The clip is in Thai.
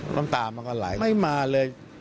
น้ำตามันก็ไหลไม่มาเลย